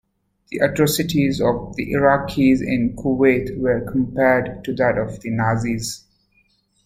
The atrocities of the Iraqis in Kuwait were compared to that of the Nazis.